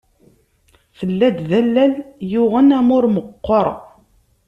Tella-d d allal yuɣen amur meqqer.